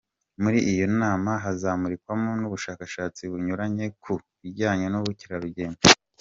Muri iyo nama hazamurikwamo n’ubushakashatsi bunyuranye ku bijyanye n’ubukerarugendo.